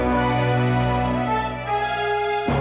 biarin bapak pergi